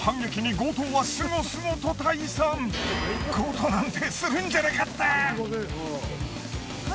強盗なんてするんじゃなかった！